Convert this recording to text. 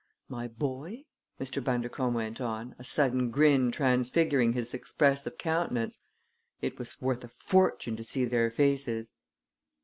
My boy," Mr. Bundercombe went on, a sudden grin transfiguring his expressive countenance, "it was worth a fortune to see their faces!